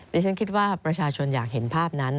ดิฉันคิดว่าประชาชนอยากเห็นภาพนั้น